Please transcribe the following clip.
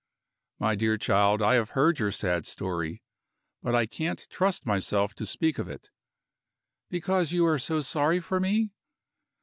"My dear child, I have heard your sad story but I can't trust myself to speak of it." "Because you are so sorry for me?"